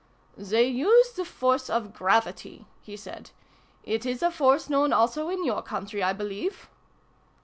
" They use the force of gravity" he said. "It is a force known also in your country, I believe